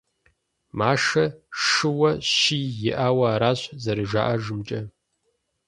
Машэ шыуэ щий иӀауэ аращ, зэражаӀэжымкӀэ.